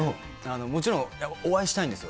もちろんお会いしたいんですよ。